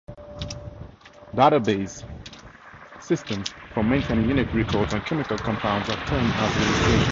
Databases systems for maintaining unique records on chemical compounds are termed as Registration systems.